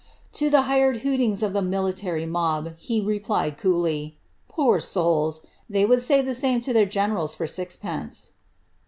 "* To the hhed hootings of the military mob, he d, coolly, " Poor sonlsl they wonld say the same to their generals isence.